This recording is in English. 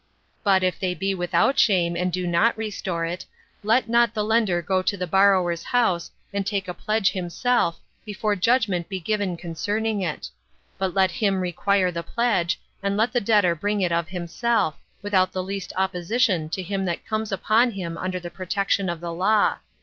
But if they be without shame, and do not restore it, let not the lender go to the borrower's house, and take a pledge himself, before judgment be given concerning it; but let him require the pledge, and let the debtor bring it of himself, without the least opposition to him that comes upon him under the protection of the law.